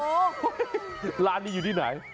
โอ้โหร้านนี้อยู่ที่ไหน